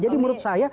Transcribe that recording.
jadi menurut saya